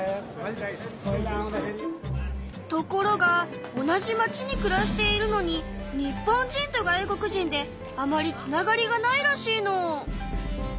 ところが同じ町にくらしているのに日本人と外国人であまりつながりがないらしいの。